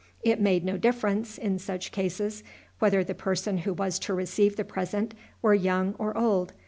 It made no difference, in such cases, whether the person who was to receive the present were young or old.